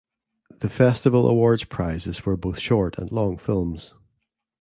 The festival awards prizes for both short and long films.